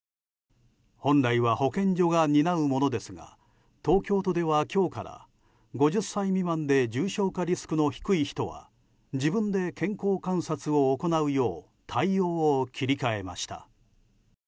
本来は保健所が担うものですが東京都では今日から５０歳未満で重症化リスクの低い人は自分で健康観察を行うよう対応を切り替えました。